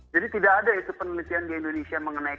tidak ada itu penelitian di indonesia mengenai